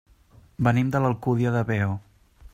Venim de l'Alcúdia de Veo.